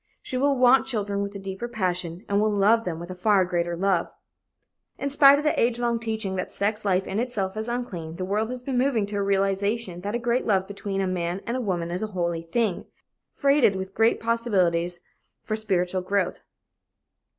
She will want children with a deeper passion, and will love them with a far greater love. In spite of the age long teaching that sex life in itself is unclean, the world has been moving to a realization that a great love between a man and woman is a holy thing, freighted with great possibilities for spiritual growth.